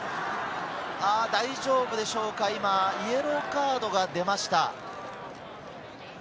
大丈夫でしょうか、イエローカードが出ました。